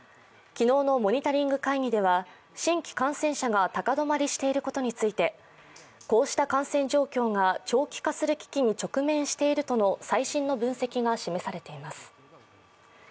昨日のモニタリング会議では新規感染者が高止まりしていることについてこうした感染状況が長期化する危機に直面しているとの最新の分析が示されています。